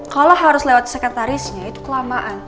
kalau harus lewat sekretarisnya itu kelamaan